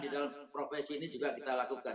di dalam profesi ini juga kita lakukan